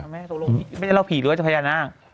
ไม่ได้เล่าผีหรือว่าเจ้าพญานาค